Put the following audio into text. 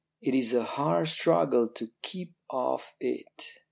It is a hard struggle to keep off it.